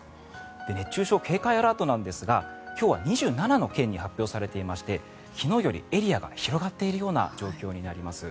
熱中症警戒アラートなんですが今日は２７の県に発表されていまして昨日よりエリアが広がっている状況になります。